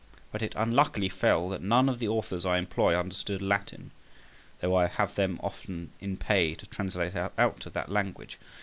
But it unluckily fell out that none of the Authors I employ understood Latin (though I have them often in pay to translate out of that language).